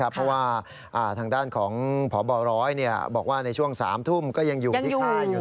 เพราะว่าทางด้านของพบร้อยบอกว่าในช่วง๓ทุ่มก็ยังอยู่ที่ค่ายอยู่